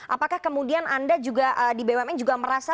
apakah kemudian anda juga di bumn juga merasa